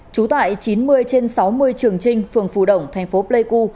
chú tại chín mươi trên sáu mươi trường trinh phường phù đổng thành phố pleiku